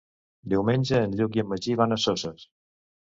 Diumenge en Lluc i en Magí van a Soses.